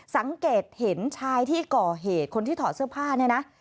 สังเกตเห็นชายที่ก่อเหตุคนที่ถอดเสื้อผ้าเนี่ยนะ